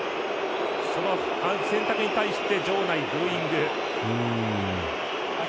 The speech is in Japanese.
その選択に対して場内、ブーイング。